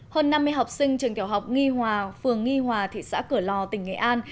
hơn năm mươi học sinh trường tiểu học nghi hòa phường nghi hòa thị xã cửa lò tỉnh nghệ an